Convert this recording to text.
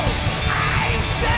愛してる！